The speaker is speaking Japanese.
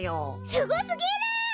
すごすぎる！